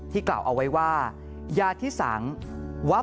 ที่กล่าวเอาไว้ว่า